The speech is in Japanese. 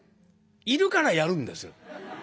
いるからやるんです。